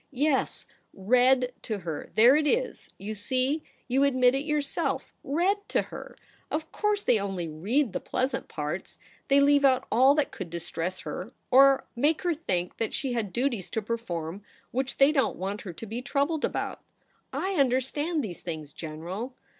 ' Yes, read to her — there it is, you see ; you admit it yourself. Read to her ! Of course they only read the pleasant parts ; they leave out all that could distress her, or make her think that she had duties to per form which they don't want her to be troubled about. / understand these things, General.